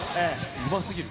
うますぎる。